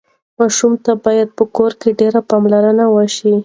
ماشوم ته باید په کور کې ډېره پاملرنه وشي.